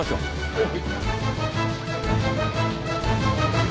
はい。